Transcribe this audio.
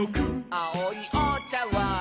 「あおいおちゃわん」